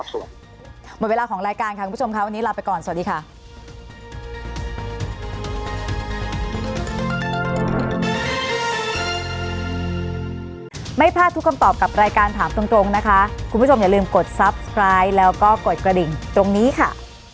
หมดเวลาของรายการค่ะคุณผู้ชมค่ะวันนี้ลาไปก่อนสวัสดีค่ะ